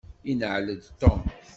Inεel-d Tom.